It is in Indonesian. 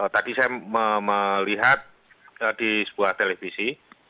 tadi saya melihat di sebuah televisi